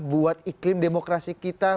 buat iklim demokrasi kita